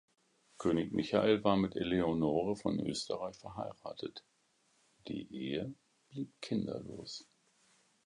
König Michael war mit Eleonore von Österreich verheiratet, die Ehe blieb kinderlos.